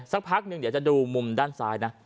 สักพักหนึ่งเดี๋ยวจะดูมุมด้านซ้ายนะ